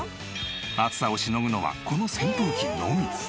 暑さをしのぐのはこの扇風機のみ。